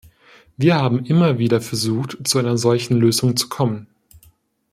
Wir haben immer wieder versucht, zu einer solchen Lösung zu kommen.